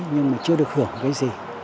nhưng mà chưa được hưởng cái gì